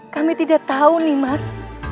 kami tidak tahu nih mas